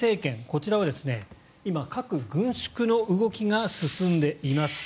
こちらは今、核軍縮の動きが進んでいます。